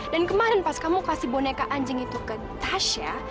dan kemarin pas kamu kasih boneka anjing itu ke tasha